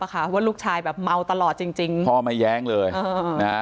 ค่ะว่าลูกชายแบบเมาตลอดจริงจริงพ่อไม่แย้งเลยเออนะฮะ